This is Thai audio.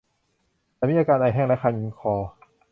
ฉันมีอาการไอแห้ง และ คันคอ